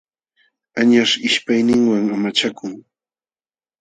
Añaśh ishpayninwan amachakun.